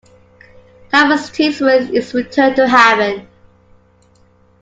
Thomas Theisman is returned to Haven.